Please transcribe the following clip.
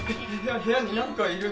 部屋になんかいる！